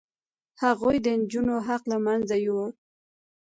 هغوی د نجونو حق له منځه یووړ.